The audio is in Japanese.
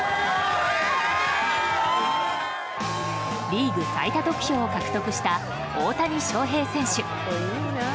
リーグ最多得票を獲得した大谷翔平選手。